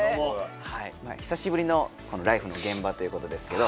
久しぶりのこの「ＬＩＦＥ！」の現場ということですけど。